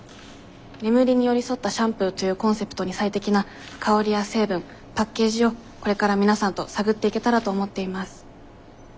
「眠りに寄り添ったシャンプー」というコンセプトに最適な香りや成分パッケージをこれから皆さんと探っていけたらと思っています。